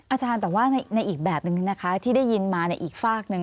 อาจารย์แต่ว่าในอีกแบบนึงนะคะที่ได้ยินมาในอีกฝากหนึ่ง